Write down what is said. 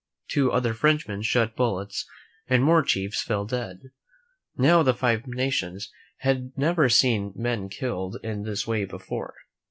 Two other Frenchmen shot bullets and more chiefs fell dead. Now, the Five Nations had never seen men killed in this way before.